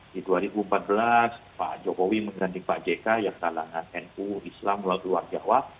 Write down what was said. di dua ribu empat belas pak jokowi mengganding pak jk yang kalangan nu islam melalui luar jawa